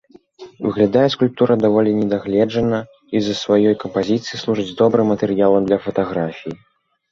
Выглядае скульптура даволі недагледжана, і з-за сваёй кампазіцыі служыць добрым матэрыялам для фатаграфіі.